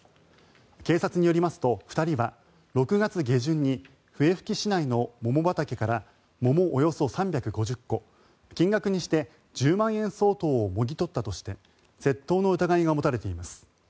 警察によりますと２人は６月下旬に笛吹市内の桃畑から桃およそ３５０個金額にして１０万円相当をもぎ取ったとして窃盗の疑いが持たれています。